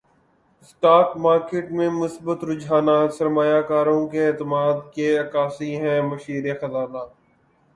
stock market میں مثبت رجحانات سرماریہ کاروں کے اعتماد کے عکاس ہیں مشیر خزانہ